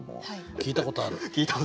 聞いたことある！